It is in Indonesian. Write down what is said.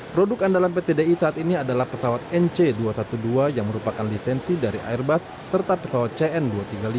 produk andalan pt di saat ini adalah pesawat nc dua ratus dua belas yang merupakan lisensi dari airbus serta pesawat cnb